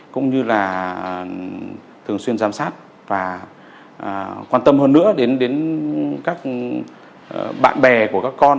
cũng như là thường xuyên giám sát và quan tâm hơn nữa đến các bạn bè của các con